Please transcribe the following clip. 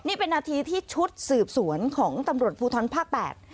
นี่เป็นนาทีที่ชุดสืบสวนของตำรวจภูทรภาคแปด